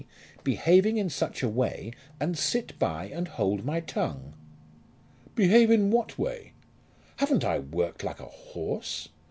behaving in such a way and sit by and hold my tongue." "Behave in what way? Haven't I worked like a horse?